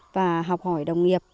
và học hỏi đồng nghiệp